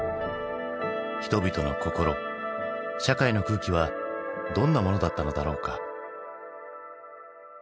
人々の心社会の空気はどんなものだったのだろうか？